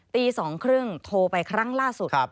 ตี๒๓๐โทรไปครั้งล่าสุด